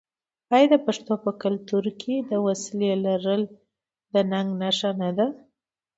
آیا د پښتنو په کلتور کې د وسلې لرل د ننګ نښه نه ده؟